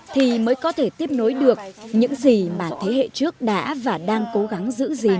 thì mới có thể tiếp nối được những gì mà thế hệ trước đã và đang cố gắng giữ gìn